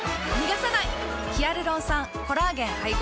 ヒアルロン酸・コラーゲン配合。